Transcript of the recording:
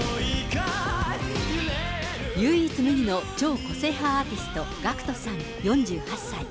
唯一無二の超個性派アーティスト、ＧＡＣＫＴさん４８歳。